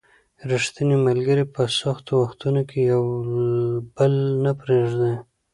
ریښتیني ملګري په سختو وختونو کې یو بل نه پرېږدي